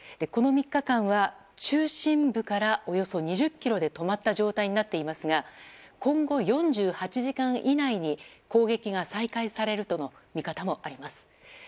この３日間は中心部からおよそ２０ｋｍで止まった状態になっていますが今後４８時間以内に攻撃が再開されるとの見方もあります。